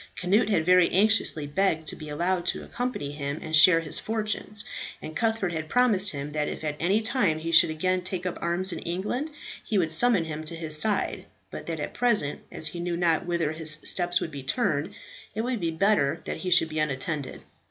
Cnut had very anxiously begged to be allowed to accompany him and share his fortunes, and Cuthbert had promised him that if at any time he should again take up arms in England, he would summon him to his side, but that at present as he knew not whither his steps would be turned, it would be better that he should be unattended.